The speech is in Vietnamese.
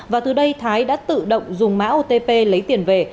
và từ đây thái đã tự động dùng mã otp lấy tiền về